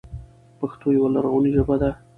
پښتو يوه لرغونې ژبه ده،